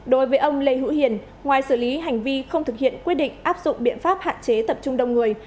đối với ông lê hữu hiền ngoài xử lý hành vi không thực hiện quyết định áp dụng biện pháp hạn chế tập trung đông người